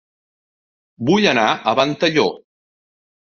Vull anar a Ventalló